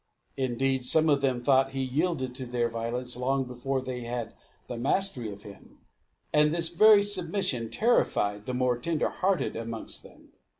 Indeed some of them thought he yielded to their violence long before they had the mastery of him; and this very submission terrified the more tender hearted amongst them.